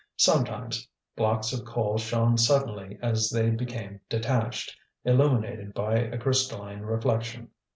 Sometimes, blocks of coal shone suddenly as they became detached, illuminated by a crystalline reflection.